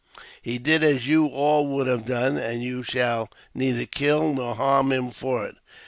He did as you all would have done, and you shall neither kill nor harm him for it.